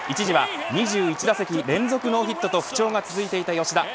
一時は２１打席の連続ノーヒットと不調が続いていた吉田。